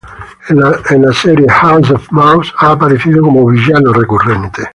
En la serie "House of Mouse" ha aparecido como villano recurrente.